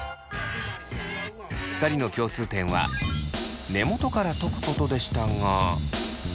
２人の共通点は根元からとくことでしたが。